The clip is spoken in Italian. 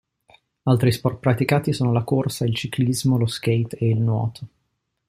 Altri sport praticati sono la corsa, il ciclismo, lo skate e il nuoto.